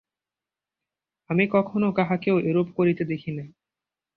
আমি কখনও কাহাকেও এরূপ করিতে দেখি নাই।